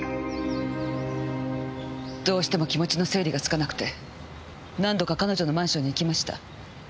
どうしても気持ちの整理がつかなくて何度か彼女のマンションに行きました。